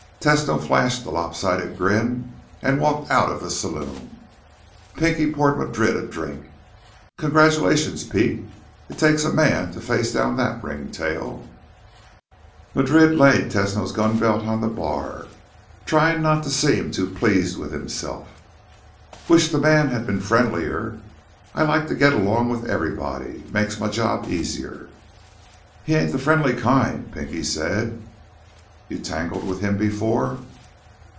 Tesno flashed the lopsided grin and walked out of the saloon. Pinky poured Madrid a drink. "Congratulations, Pete. It takes a man to face down that ringtail." Madrid laid Tesno's gunbelt on the bar, trying not to seem too pleased with himself. "Wish the man had been friendlier. I like to get along with everybody. Makes my job easier." "He ain't the friendly kind," Pinky said. "You tangled with him before?"